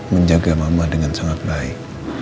menjaga mama dengan sangat baik